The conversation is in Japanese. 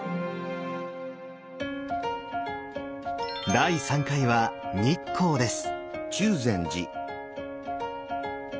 第３回は日光です。